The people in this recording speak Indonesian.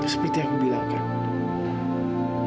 seperti aku bilang kak